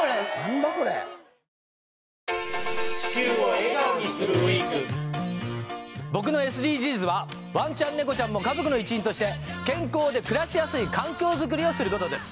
これ僕のＳＤＧｓはわんちゃん猫ちゃんも家族の一員として健康で暮らしやすい環境づくりをすることです